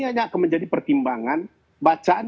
ini akan menjadi pertimbangan bacaan